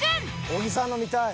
小木さんの見たい。